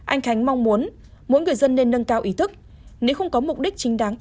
anh khánh mong muốn mỗi người dân nên nâng cao ý thức